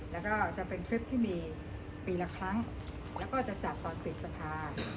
แล้วก็จะเป็นคลิปที่มีปีละครั้งแล้วก็จะจัดตอนปิดสภา